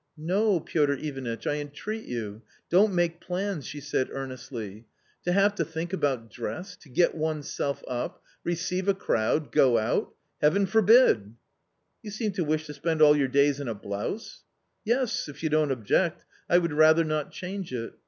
" No, Piotr Ivanitch, I entreat you, don't make plans !" she said earnestly ;" to have to think about dress, to get oneself up, receive a crowd, go out .... Heaven for bid !" "You seem to wish to spend all your days in a blouse ?" "Yes, if you don't object, I would rather not change it.